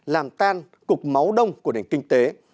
làm tan cục máu đông của nền kinh tế